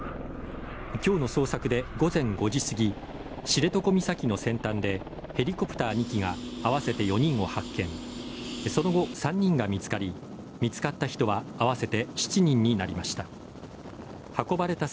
今日の捜索で午前５時過ぎ知床岬の先端でヘリコプター２機が合わせて４人を発見、その後３人が見つかり、見つかった人は合わせて７人になりました。